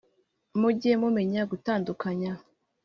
mujye mumenya gutandukanya